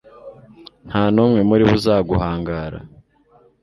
nta n'umwe muri bo uzaguhangara